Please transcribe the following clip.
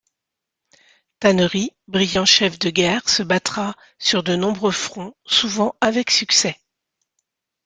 Tannery, brillant chef de guerre, se battra sur de nombreux fronts, souvent avec succès.